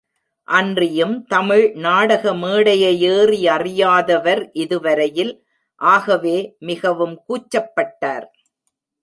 அன்றியும் தமிழ் நாடக மேடையையேறி அறியாதவர் இதுவரையில் ஆகவே மிகவும் கூச்சப்பட்டார்.